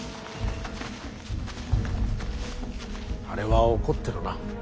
あれは怒ってるな。